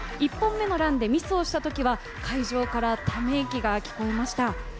１本目のランでミスをしたときには会場からため息が聞こえました。